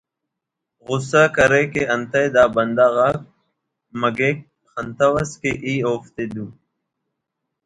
غصہ کرے کہ انتئے دا بندغ آک کنے مگہ خنتوس کہ ای اوفتے دو ءِ